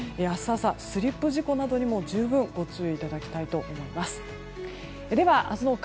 明日朝、スリップ事故などにも十分ご注意いただきたいと思います。